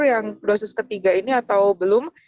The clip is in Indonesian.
yang dosis ketiga ini atau belum